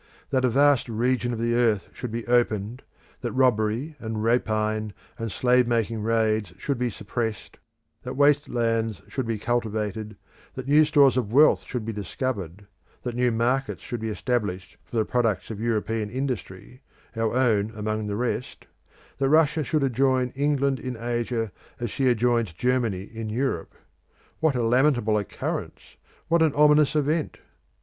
That a vast region of the earth should be opened, that robbery and rapine and slave making raids should be suppressed, that waste lands should be cultivated, that new stores of wealth should be discovered, that new markets should be established for the products of European industry, our own among the rest, that Russia should adjoin England in Asia as she adjoins Germany in Europe what a lamentable occurrence, what an ominous event!